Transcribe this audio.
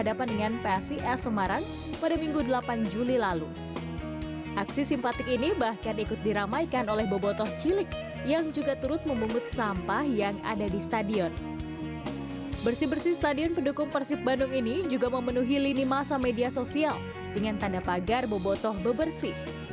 dengan tanda pagar bobotoh bebersih